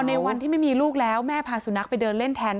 ในวันที่ไม่มีลูกแล้วแม่พาสุนัขไปเดินเล่นแทน